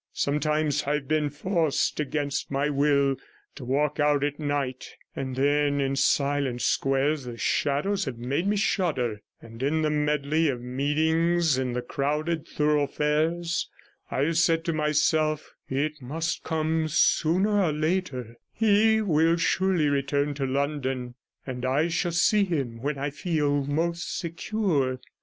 Sometimes I have been forced, against my will, to walk out at night, and then in silent squares the shadows have made me shudder, and in the medley of meetings in the crowded thoroughfares I have said to myself, 'It must come sooner or later; he will surely return to London, and I shall see him when I feel most secure.'